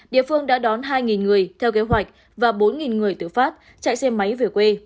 địa phương đã đón hai người theo kế hoạch và bốn người tử phát chạy xe máy về quê